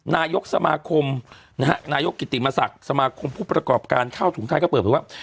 นายกสมาคมนะฮะนายกกิติมศักดิ์สมาคมผู้ประกอบการข้าวถุงไทยก็เปิดเผยว่า